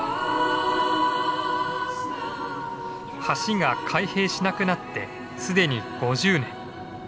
橋が開閉しなくなってすでに５０年。